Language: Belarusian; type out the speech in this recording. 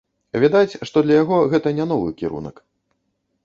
Відаць, што для яго гэта не новы кірунак.